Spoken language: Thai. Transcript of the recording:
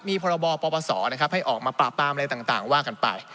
มีพรบปปศนะครับให้ออกมาปราบปรามอะไรต่างว่ากันไป